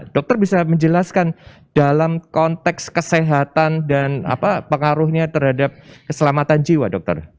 dokter bisa menjelaskan dalam konteks kesehatan dan apa pengaruhnya terhadap keselamatan jiwa dokter